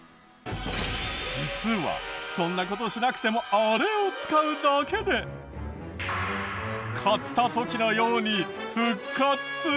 実はそんな事しなくてもあれを使うだけで買った時のように復活する！？